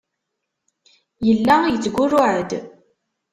Yella yettgurruɛ-d.